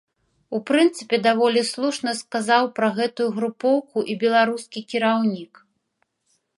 У прынцыпе, даволі слушна сказаў пра гэтую групоўку і беларускі кіраўнік.